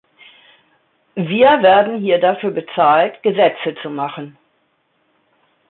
Wir werden hier dafür bezahlt, Gesetze zu machen!